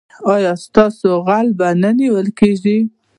ایا ستاسو غل به نه نیول کیږي؟